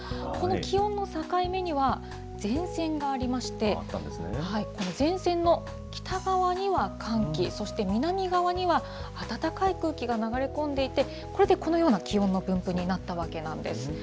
この気温の境目には、前線がありまして、この前線の北側には寒気、そして南側には暖かい空気が流れ込んでいて、これでこのような気温の分布になったわけなんです。